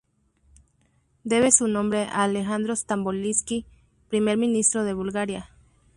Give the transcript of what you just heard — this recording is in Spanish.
Debe su nombre a Alejandro Stamboliski, Primer Ministro de Bulgaria.